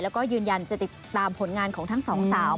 แล้วก็ยืนยันจะติดตามผลงานของทั้งสองสาว